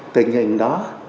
tình hình đó